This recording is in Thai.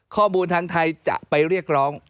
ทางไทยจะไปเรียกร้อง